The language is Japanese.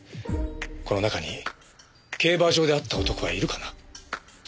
この中に競馬場で会った男はいるかな？